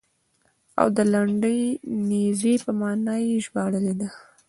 او د لنډې نېزې په معنا یې ژباړلې ده.